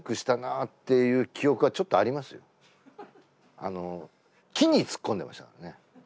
あの木にツッコんでましたからね。